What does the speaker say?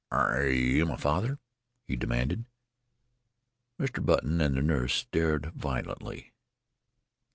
"Are you my father?" he demanded. Mr. Button and the nurse started violently.